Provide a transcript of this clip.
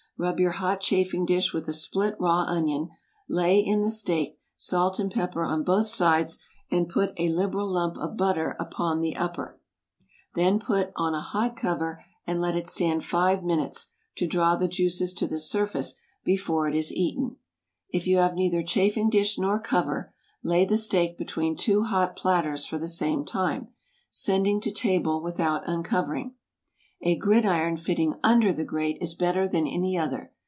Rub your hot chafing dish with a split raw onion, lay in the steak, salt and pepper on both sides, and put a liberal lump of butter upon the upper. Then put on a hot cover, and let it stand five minutes to draw the juices to the surface before it is eaten. If you have neither chafing dish nor cover, lay the steak between two hot platters for the same time, sending to table without uncovering. A gridiron fitting under the grate is better than any other.